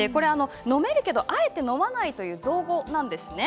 飲めるけどあえて飲まないという造語なんですね。